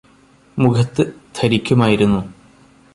മുഖത്ത് ധരിക്കുമായിരുന്നു